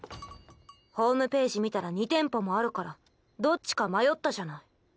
ホームページ見たら２店舗もあるからどっちか迷ったじゃない。